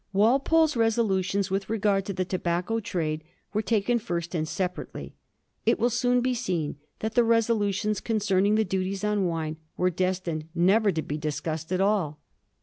Walpole's resolutions with regard to the tobacco trade were taken first and separately. It will soon be seen that the resolutions concerning the duties on wine were destined never to be discussed at all.